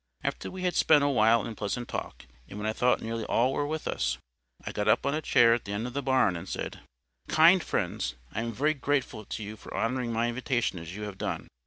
After we had spent a while in pleasant talk, and when I thought nearly all were with us, I got up on a chair at the end of the barn, and said:— "Kind friends,—I am very grateful to you for honouring my invitation as you have done.